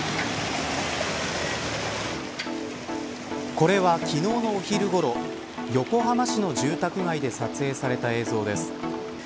これは、昨日のお昼ごろ横浜市の住宅街で撮影された映像です。